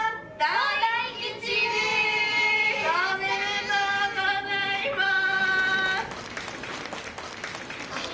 おめでとうございます。